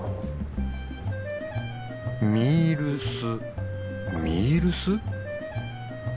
ミールスミールス？